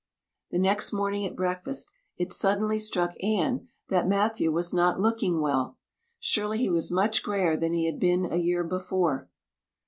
The next morning at breakfast it suddenly struck Anne that Matthew was not looking well. Surely he was much grayer than he had been a year before.